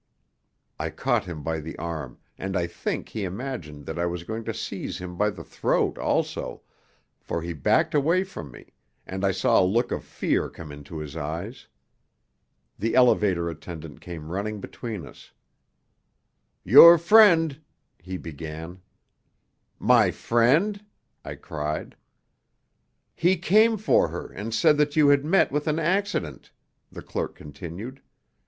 I caught him by the arm, and I think he imagined that I was going to seize him by the throat also, for he backed away from me, and I saw a look of fear come into his eyes. The elevator attendant came running between us. "Your friend " he began. "My friend?" I cried. "He came for her and said that you had met with an accident," the clerk continued.